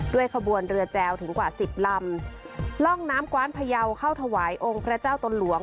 ขบวนเรือแจวถึงกว่าสิบลำร่องน้ำกว้านพยาวเข้าถวายองค์พระเจ้าตนหลวง